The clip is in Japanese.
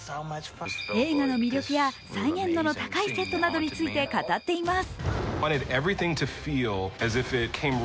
映画の魅力や再現どの高いセットなどについて語っています。